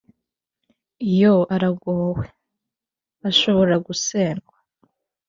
iyo arongowe, ashobora gusendwa.